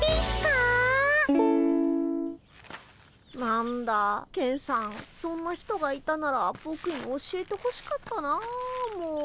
何だケンさんそんな人がいたならボクに教えてほしかったなあもう。